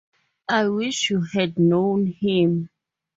I wish you had known him.